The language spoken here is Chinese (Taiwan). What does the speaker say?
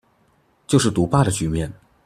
就是獨霸的局面